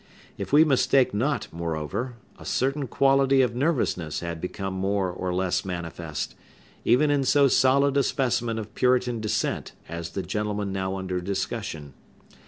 If we mistake not, moreover, a certain quality of nervousness had become more or less manifest, even in so solid a specimen of Puritan descent as the gentleman now under discussion.